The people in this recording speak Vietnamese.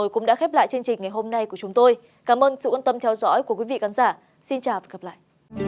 cũng đã khép lại chương trình ngày hôm nay của chúng tôi cảm ơn sự quan tâm theo dõi của quý vị khán giả xin chào và hẹn gặp lại